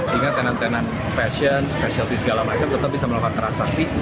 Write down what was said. sehingga tenan tenan fashion specialty segala macam tetap bisa melakukan transaksi